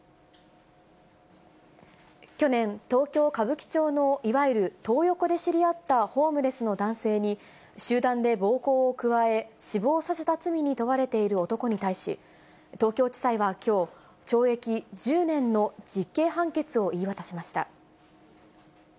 去年、東京・歌舞伎町のいわゆるトー横で知り合ったホームレスの男性に、集団で暴行を加え、死亡させた罪に問われている男に対し、東京地裁はきょう、懲役１０年の実刑判決を言い渡しました。